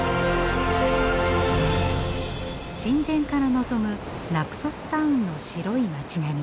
神殿から望むナクソスタウンの白い町並み。